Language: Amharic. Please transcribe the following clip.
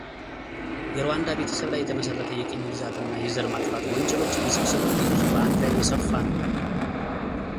የሩዋንዳ ቤተሰብ ላይ የተመሠረተ የቅኝ ግዛትና የዘር ማጥፋት ወንጀሎችን ውስብስብ ውጤቶች በአንድ ላይ የሰፋ ነው